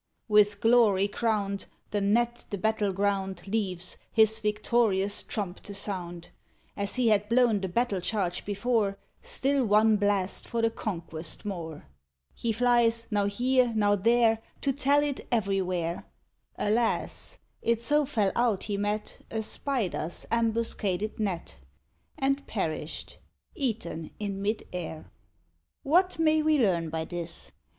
With glory crowned, the Gnat the battle ground Leaves, his victorious trump to sound, As he had blown the battle charge before, Still one blast for the conquest more. He flies now here, now there, To tell it everywhere. Alas! it so fell out he met A spider's ambuscaded net, And perished, eaten in mid air. What may we learn by this?